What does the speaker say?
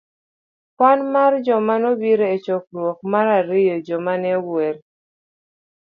Kwan mar joma nobiro e chokruok .mar ariyo Joma ne Ogwel